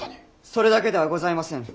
それだけではございません。